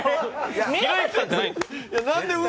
ひろゆきさんじゃないんですか？